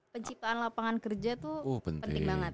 penciptaan lapangan kerja tuh penting banget